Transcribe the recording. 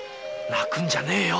泣くんじゃねえよ。